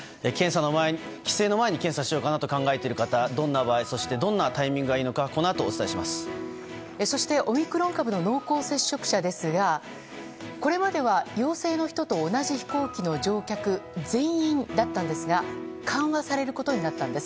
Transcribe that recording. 規制の前に検査を考えている方、どんな場合そしてどんなタイミングがいいのかそしてオミクロン株の濃厚接触者ですがこれまでは陽性の人と同じ飛行機の乗客全員だったんですが緩和されることになったんです。